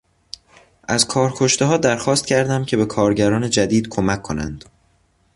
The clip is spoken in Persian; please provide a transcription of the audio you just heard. از کارکشتهها درخواست کردم که به کارگران جدید کمک کنند.